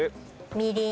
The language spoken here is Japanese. みりん。